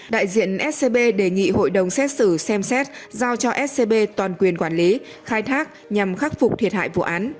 đại diện scb đề nghị hội đồng xét xử xem xét giao cho scb toàn quyền quản lý khai thác nhằm khắc phục thiệt hại vụ án